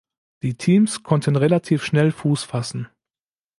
Die Teams konnten relativ schnell Fuß fassen.